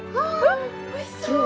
おいしそう！